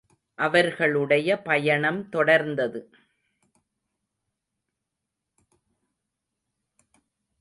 அவர்களுடைய பயணம் தொடர்ந்தது.